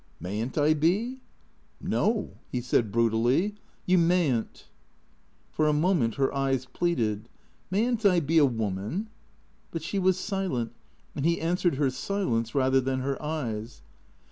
"Mayn't I be?" *' No," he said brutally, " you may n't." For a moment her eyes pleaded :" May n't I be a woman ?" But she was silent, and he answered her silence rather than her eyes.